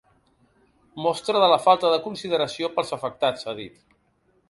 “Mostra de la falta de consideració pels afectats”, ha dit.